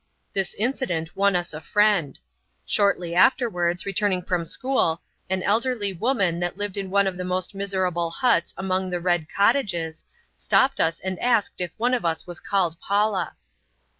This incident won us a friend. Shortly afterwards, returning from school, an elderly woman that lived in one of the most miserable huts among the "Red Cottages", stopped us and asked if one of us was called Paula.